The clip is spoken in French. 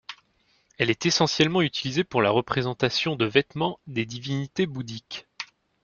Elle est essentiellement utilisée pour la représentation de vêtements des divinités bouddhiques.